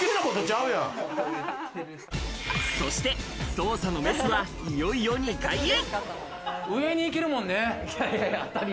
捜査のメスはいよいよ２階へ。